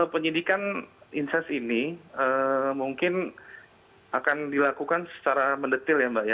penyidikan inses ini mungkin akan dilakukan secara mendetil ya mbak ya